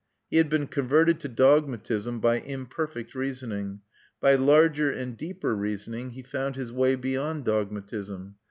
He had been converted to dogmatism by imperfect reasoning; by larger and deeper reasoning he found his way beyond dogmatism.